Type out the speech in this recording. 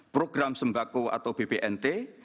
program sembako atau bpnt